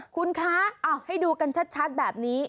คุณคะเอาให้ดูกันชัดแบบนี้